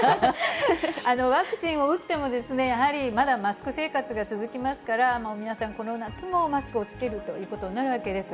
ワクチンを打っても、やはりまだマスク生活が続きますから、皆さん、この夏もマスクを着けるということになるわけです。